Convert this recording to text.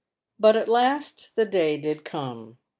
But at last the day did come.